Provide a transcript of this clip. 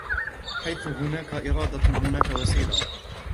حيث هناك إرادة هناك وسيلة.